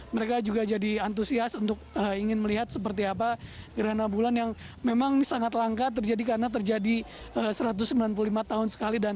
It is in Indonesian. mereka juga jadi antusias untuk ingin melihat seperti apa gerhana bulan yang memang sangat langka terjadi karena terjadi satu ratus sembilan puluh lima tahun sekali